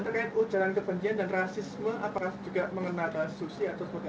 berkait berkait ujalan kepentingan dan rasisme apakah juga mengenal bahasa susi atau seperti apa